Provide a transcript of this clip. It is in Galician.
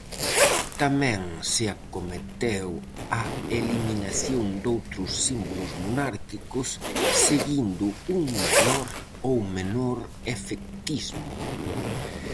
Tamén se acometeu a eliminación doutros símbolos monárquicos, seguindo un maior ou menor efectismo.